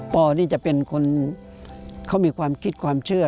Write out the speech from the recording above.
พอที่จะเป็นคนเขามีความคิดความเชื่อ